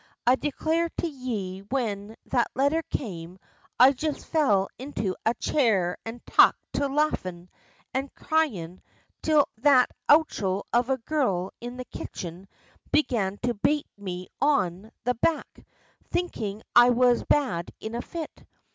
I declare to ye when that letther came I just fell into a chair an' tuk to laughin' an' cryin' till that ounchal of a girl in the kitchen began to bate me on the back, thinkin' I was bad in a fit.